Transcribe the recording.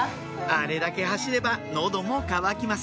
あれだけ走れば喉も渇きます